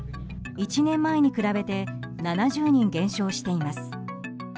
１年前に比べて７０人減少しています。